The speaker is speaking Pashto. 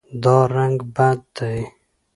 دا رنګ بد دی